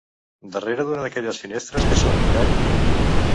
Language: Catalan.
Darrere d'una d'aquelles finestres que són mirall?